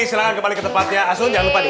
silahkan kembali ke tempatnya asun jangan lupa deh